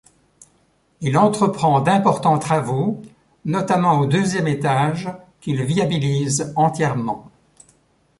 Il entreprend d'importants travaux, notamment au deuxième étage, qu'il viabilise entièrement.